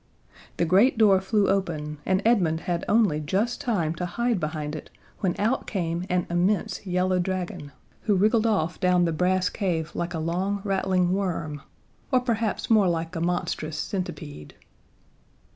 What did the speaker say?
The great door flew open, and Edmund had only just time to hide behind it when out came an immense yellow dragon, who wriggled off down the brass cave like a long, rattling worm or perhaps more like a monstrous centipede.